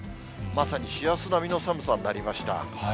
まさに師走並みの寒さになりました。